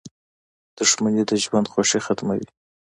• دښمني د ژوند خوښي ختموي.